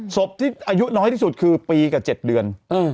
ศพที่อายุน้อยที่สุดคือปีกับ๗เดือน